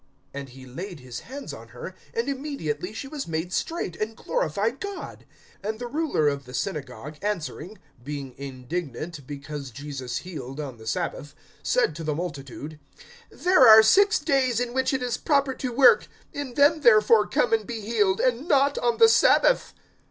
(13)And he laid his hands on her; and immediately she was made straight, and glorified God. (14)And the ruler of the synagogue answering (being indignant because Jesus healed on the sabbath), said to the multitude: There are six days in which it is proper to work; in them therefore come and be healed, and not on the sabbath.